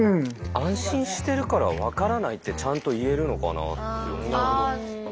安心してるから分からないってちゃんと言えるのかなって。